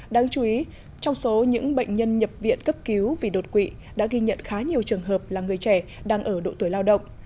đáng chú ý trong số những bệnh nhân nhập viện cấp cứu vì đột quỵ đã ghi nhận khá nhiều trường hợp là người trẻ đang ở độ tuổi lao động